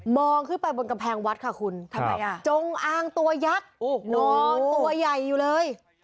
ขึ้นไปบนกำแพงวัดค่ะคุณทำไมอ่ะจงอางตัวยักษ์นอนตัวใหญ่อยู่เลย